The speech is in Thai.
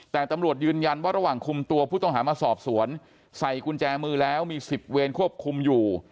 แต่ตำรวจยืนยันว่าระหว่างคุมตัวผู้ต้องหามาสอบสวนใส่กุญแจมือแล้วมี๑๐เวรควบคุมอยู่